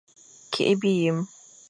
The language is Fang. Kikh biyem.